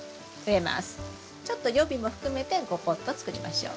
ちょっと予備も含めて５ポット作りましょう。